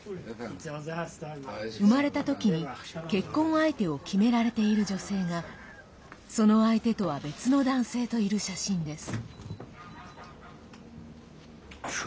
生まれた時に結婚相手を決められている女性がその相手とは別の男性といる写真です。